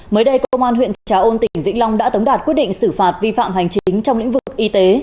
mới đây công an huyện trà ôn tỉnh vĩnh long đã tống đạt quyết định xử phạt vi phạm hành chính trong lĩnh vực y tế